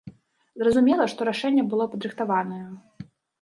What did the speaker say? Зразумела, што рашэнне было падрыхтаванае.